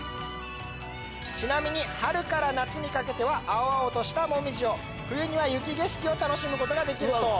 ちなみに春から夏は青々としたモミジを冬には雪景色を楽しむことができるそう。